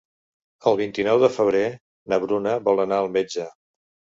El vint-i-nou de febrer na Bruna vol anar al metge.